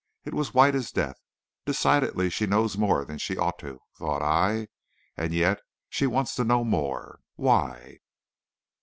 It was white as death. "Decidedly, she knows more than she ought to," thought I. "And yet she wants to know more. Why?"